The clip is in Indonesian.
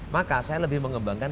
maka saya lebih mengembangkan